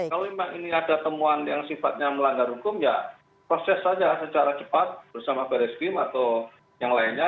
kalau memang ini ada temuan yang sifatnya melanggar hukum ya proses saja secara cepat bersama baris krim atau yang lainnya